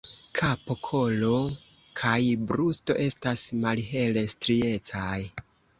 Kapo, kolo kaj brusto estas malhele striecaj.